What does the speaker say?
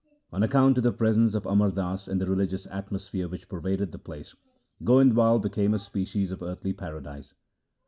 On account of the presence of Amar Das and the religious atmosphere which pervaded the place, Goindwal became a species of earthly paradise.